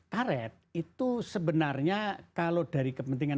karet itu sebenarnya kalau dari kepentingan